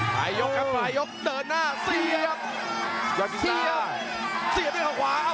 ไหลยกครับไหลยกเดินหน้าเสียบเสียบด้วยข้างขวาเอ้า